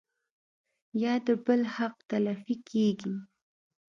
يا د بل حق تلفي کيږي